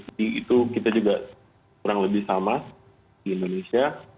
jadi itu kita juga kurang lebih sama di indonesia